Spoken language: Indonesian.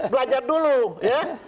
belajar dulu ya